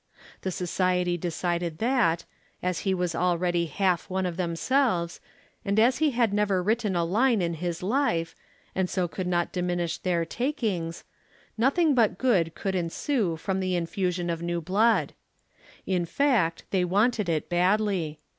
The Society decided that, as he was already half one of themselves, and as he had never written a line in his life, and so could not diminish their takings, nothing but good could ensue from the infusion of new blood. In fact, they wanted it badly.